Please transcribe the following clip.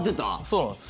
そうなんです。